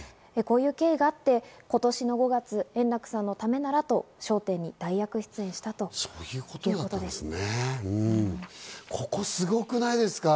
こういう経緯があって今年の５月、円楽さんのためならと『笑点』にここすごくないですか？